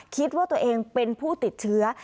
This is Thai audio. คิดว่าตัวเองเป็นผู้ติดเชื้อ